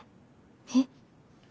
えっ？